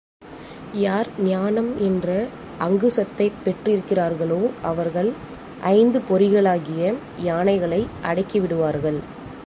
யார் ஞானம் என்ற அங்குசத்தைப் பெற்றிருக்கிறார்களோ அவர்கள் ஐந்து பொறிகளாகிய யானைகளை அடக்கி விடுவார்கள்.